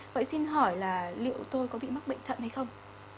vậy xin hỏi là liệu tôi có bị mắc bệnh thận hay không